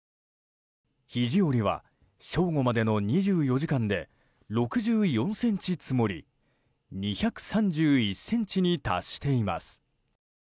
肘折は正午までの２４時間で６４ｃｍ積もり２３１ｃｍに達しています。